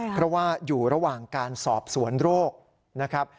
เพราะว่าอยู่ระหว่างการสอบสวนโรคนะครับ